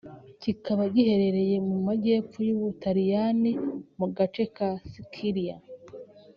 kikaba giherereye mu majyepfo y’u Butaliyani mu gace ka Sicily